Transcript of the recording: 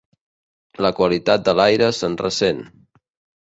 La qualitat de l'aire se'n ressent.